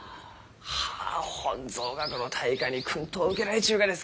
はあ本草学の大家に薫陶を受けられちゅうがですか！